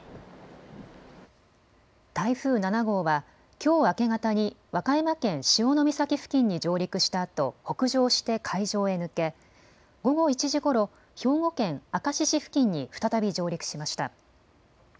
台風７号はきょう明け方に和歌山県潮岬付近に上陸したあと北上して海上へ抜け午後１時ごろ、兵庫県明石市付近に再び上陸しました。